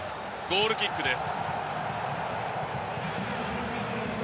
ゴールキックです。